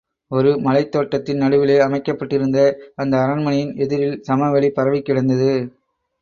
ஒரு மலைத் தோட்டத்தின் நடுவிலே அமைக்கப் பட்டிருந்த அந்த அரண்மனையின் எதிரில் சமவெளி பரவிக் கிடந்தது.